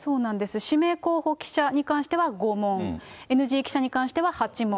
指名候補記者に関しては５問、ＮＧ記者に関しては８問。